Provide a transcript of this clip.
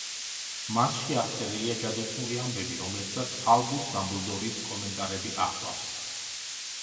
მასში აღწერილია ჯადოსნური ამბები, რომლებსაც ალბუს დამბლდორის კომენტარები ახლავს.